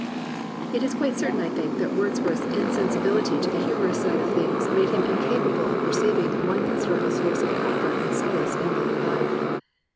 It is quite certaia, I think, that Wordsworth's in sensibility to the humourous side of things made him incapable of perceiving one considerable source of comfort and solace in lowly life.